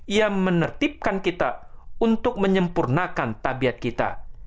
ia menertibkan kita untuk menyempurnakan tabiat kita